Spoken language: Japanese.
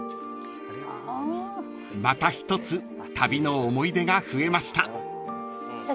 ［また一つ旅の思い出が増えました］